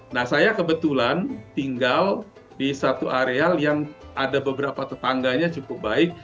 nah saya kebetulan tinggal di satu areal yang ada beberapa tetangganya cukup baik